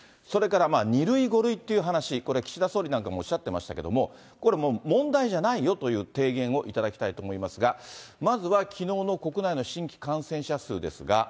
それから２類、５類という話、これ、岸田総理なんかもおっしゃってましたけれども、これ問題じゃないよという提言をいただきたいと思いますが、まずはきのうの国内の新規感染者数ですが。